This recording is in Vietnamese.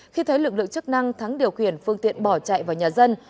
khi thấy lực lượng chức năng thắng điều khiển phương tiện bỏ chạy vào nhà dân